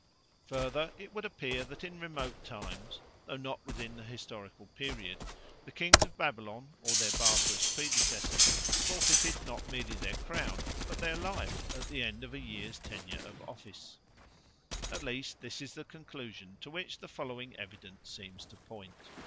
Further, it would appear that in remote times, though not within the historical period, the kings of Babylon or their barbarous predecessors forfeited not merely their crown but their life at the end of a year's tenure of office. At least this is the conclusion to which the following evidence seems to point.